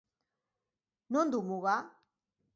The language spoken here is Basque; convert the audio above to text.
Non du muga?